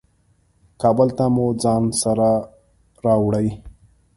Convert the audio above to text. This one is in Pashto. کابل ته مو ځان سره راوړې.